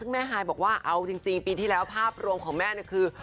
แม่ฮายบอกว่าเอาจริงปีที่แล้วภาพรวมของแม่เนี่ยคือ